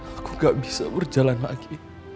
aku gak bisa berjalan lagi